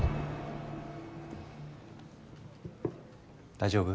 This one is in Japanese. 大丈夫？